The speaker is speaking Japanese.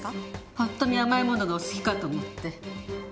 パッと見甘いものがお好きかと思って。